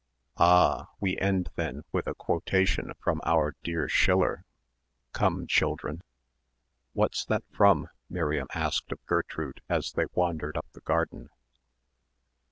"Ah. We end then with a quotation from our dear Schiller. Come, children." "What's that from?" Miriam asked of Gertrude as they wandered up the garden.